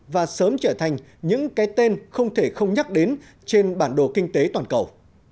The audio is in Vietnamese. và sớm trở thành những cái tên không thể không nhắc đến trên bản đồ kinh tế toàn cầu